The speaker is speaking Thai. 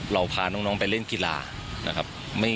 เราพาน้องไปเล่นกีฬานะครับ